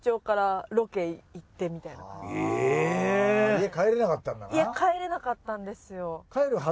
家に帰れなかったんですよ。